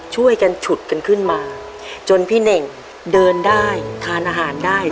ช่วยกันฉุดกันขึ้นมาจนพี่เน่งเดินได้ทานอาหารได้